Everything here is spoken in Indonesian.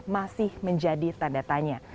masih menjadi tanda tanya